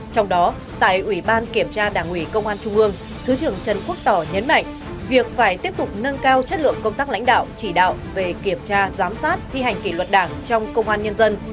trong đó tại ủy ban kiểm tra đảng ủy công an trung ương thứ trưởng trần quốc tỏ nhấn mạnh việc phải tiếp tục nâng cao chất lượng công tác lãnh đạo chỉ đạo về kiểm tra giám sát thi hành kỷ luật đảng trong công an nhân dân